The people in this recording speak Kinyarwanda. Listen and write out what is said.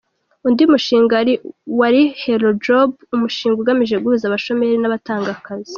Undi mushinga wari HelloJob, umushinga ugamije guhuza abashomeri n’abatanga akazi.